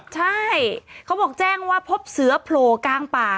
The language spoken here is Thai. ใช่เขาบอกแจ้งว่าพบเสือโผล่กลางป่า